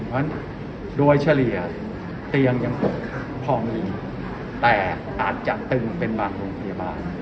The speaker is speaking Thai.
เพราะฉะนั้นโดยเฉลี่ยเตียงยังตกพอมีแต่อาจจะตึงเป็นบางโรงพยาบาล